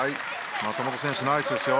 松本選手、ナイスですよ。